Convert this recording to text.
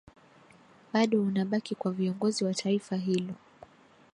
bado unabaki kwa viongozi wa taifa hilo